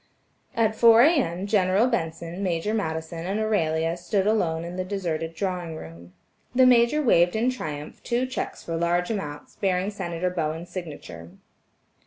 At four A.M., General Benson, Major Madison and Aurelia stood alone in the deserted drawing room. The Major waved in triumph two checks for large amounts, bearing Senator Bowen's signature.